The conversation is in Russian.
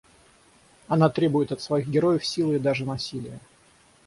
Она требует от своих героев силы и даже насилия.